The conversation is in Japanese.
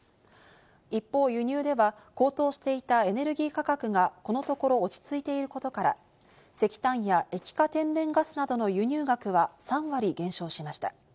一方、輸入では高騰していたエネルギー価格がこのところ落ち着いていることから、石炭や液化天然ガスなどの輸入額は３割減少しました。